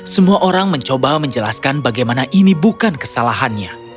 semua orang mencoba menjelaskan bagaimana ini bukan kesalahannya